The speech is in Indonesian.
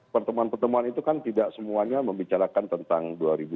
pertemuan pertemuan itu kan tidak semuanya membicarakan tentang dua ribu dua puluh